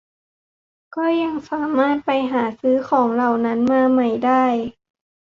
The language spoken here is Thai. ก็ยังสามารถไปหาซื้อของเหล่านั้นมาใหม่ได้